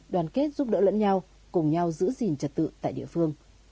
đoàn kết giúp đỡ lẫn nhau cùng nhau giữ gìn trật tự tại địa phương